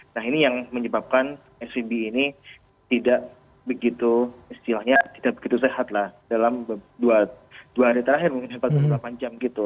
nah ini yang menyebabkan svb ini tidak begitu istilahnya tidak begitu sehat lah dalam dua hari terakhir mungkin empat puluh delapan jam gitu